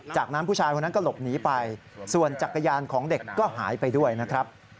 จากนั้นผู้ชายคนนั้นก็หลบหนีไปส่วนจักรยานของเด็กก็หายไปด้วยนะครับ